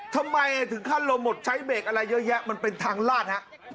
ทำไมถึงขั้นลมหมดใช้เบรกอะไรเยอะแยะมันเป็นทางลาดฮะ